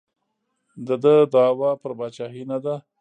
د ده دعوا پر پاچاهۍ نه ده.